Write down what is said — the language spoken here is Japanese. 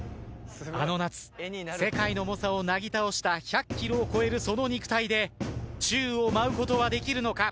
あの夏世界の猛者をなぎ倒した１００ｋｇを超えるその肉体で宙を舞うことはできるのか？